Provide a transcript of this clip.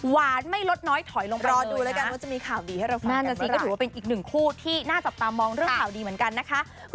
หวานไม่รสน้อยถอยลงไปเลยนะน่าจะสีก็ถือว่าเป็นอีกหนึ่งคู่ที่น่าจะตามองเรื่องข่าวดีเหมือนกันนะคะ